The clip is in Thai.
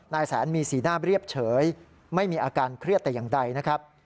นายแสนมีสีหน้าเรียบเฉยไม่มีอาการเครียดแต่อย่างใดนะครับ